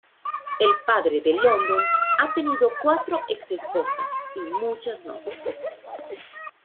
El padre de London ha tenido cuatro ex-esposas y muchas novias.